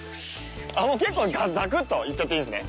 あっもう結構ザクッといっちゃっていいんですね。